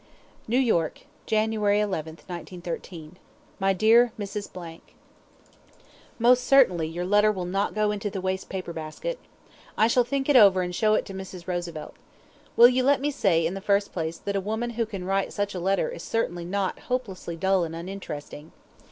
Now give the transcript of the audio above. New York, January 11, 1913. _My Dear Mrs. _: Most certainly your letter will not go into the waste paper basket. I shall think it over and show it to Mrs. Roosevelt. Will you let me say, in the first place, that a woman who can write such a letter is certainly not "hopelessly dull and uninteresting"!